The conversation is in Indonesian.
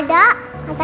mama kok gak ada